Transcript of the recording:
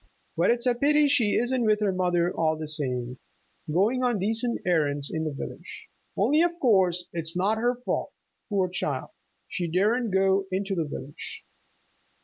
... But it's a pity she isn't with her mother all the same, going on decent errands in the village. Only of course it's not her fault, poor child! She daren't go into the village."